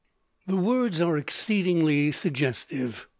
The words are exceedingly suggestive.